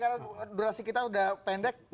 karena durasi kita sudah pendek